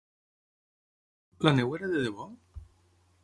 La neu era de debò?